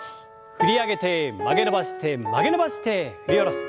振り上げて曲げ伸ばして曲げ伸ばして振り下ろす。